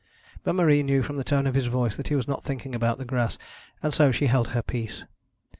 But Marie knew from the tone of his voice that he was not thinking about the grass, and so she held her peace.